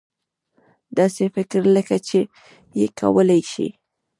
داسې فکر لکه چې ته یې کولای شې.